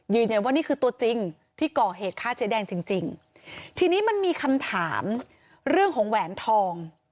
นี่คือตัวจริงที่ก่อเหตุฆ่าเจ๊แดงจริงจริงทีนี้มันมีคำถามเรื่องของแหวนทอง